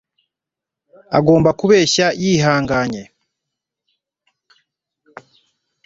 agomba kubeshya yihanganye